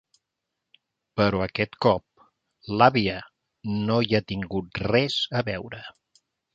Però aquest cop l'àvia no hi ha tingut res a veure.